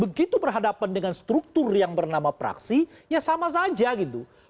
begitu berhadapan dengan struktur yang bernama praksi ya sama saja gitu